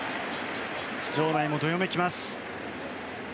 場内もどよめきます。